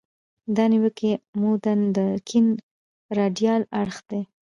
دا نیوکې عمدتاً د کیڼ رادیکال اړخ دي.